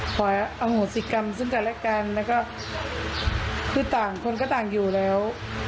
ขออโหสิกรรมซึ่งกันและกันแล้วก็คือต่างคนก็ต่างอยู่แล้ว